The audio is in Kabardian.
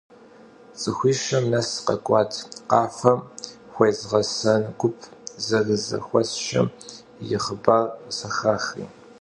Ts'ıxuişem nes khek'uat, khafem xuezğesen gup zerızexuesşşesım yi xhıbar zexaxri.